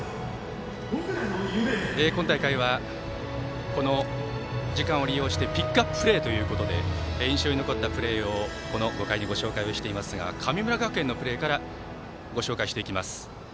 今大会はこの時間を利用してピックアッププレーということで印象に残ったプレーを５回にご紹介していますが神村学園のプレーからご紹介していきます。